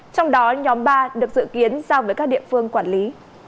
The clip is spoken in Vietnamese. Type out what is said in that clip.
trong đó nhóm ba được dự kiến giao với các địa phương quản lý